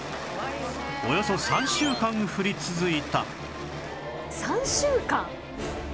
およそ３週間降り続いた